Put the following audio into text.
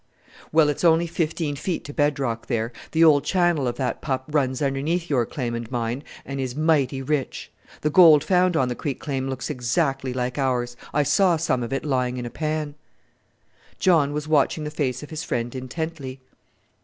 "Well, it's only fifteen feet to bed rock there. The old channel of that pup runs underneath your claim and mine and is mighty rich. The gold found on the creek claim looks exactly like ours: I saw some of it lying in a pan." John was watching the face of his friend intently.